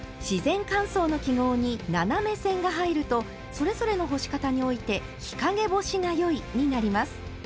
自然乾燥の記号に斜め線が入るとそれぞれの干し方において「日陰干しがよい」になります。